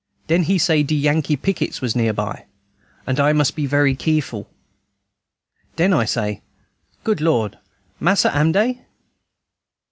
] "Den he say de Yankee pickets was near by, and I must be very keerful. "Den I say, 'Good Lord, Mas'r, am dey?'"